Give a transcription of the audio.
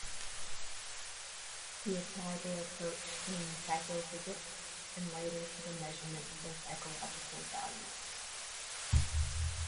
He applied the approach in psychophysics, and later to the measurement of psychological values.